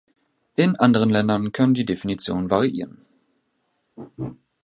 In anderen Ländern können die Definitionen variieren.